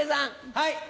はい。